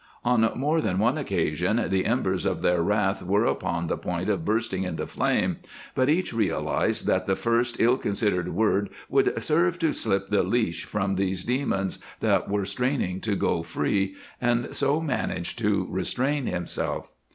On more than one occasion the embers of their wrath were upon the point of bursting into flame, but each realized that the first ill considered word would serve to slip the leash from those demons that were straining to go free, and so managed to restrain himself.